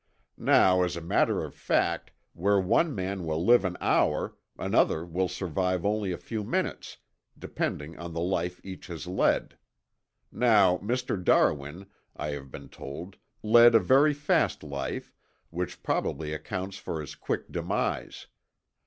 "Now as a matter of fact where one man will live an hour another will survive only a few minutes, depending on the life each has led. Now Mr. Darwin, I have been told, led a very fast life, which probably accounts for his quick demise.